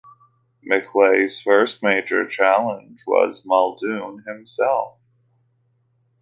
McLay's first major challenge was Muldoon himself.